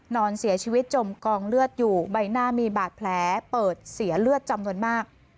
นอนเสียชีวิตจมกองเลือดอยู่ใบหน้ามีบาดแผลเปิดเสียเลือดจำนวนมาก